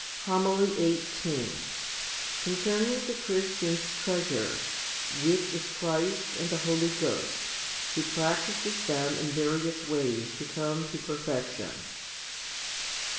21. HOMILY XVIII Concerning the Christians' treasure, which is Christ and the Holy Ghost, who practises them in various ways to come to perfection.